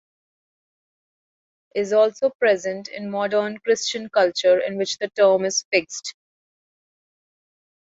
Is also present in modern Christian culture, in which the term is fixed.